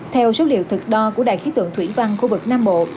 theo số liệu thực đo của đài khí tượng thủy văn khu vực nam bộ